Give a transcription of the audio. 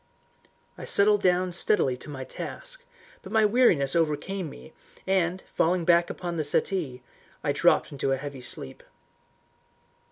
I settled down steadily to my task, but my weariness overcame me and, falling back upon the settee, I dropped into a heavy sleep.